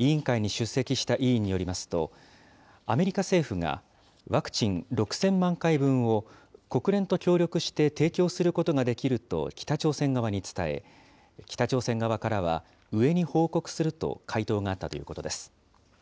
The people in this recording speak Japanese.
委員会に出席した委員によりますと、アメリカ政府が、ワクチン６０００万回分を国連と協力して提供することができると北朝鮮側に伝え、北朝鮮側からは、上に報告すると回答があったということです。